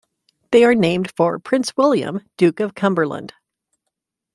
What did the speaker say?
They are named for Prince William, Duke of Cumberland.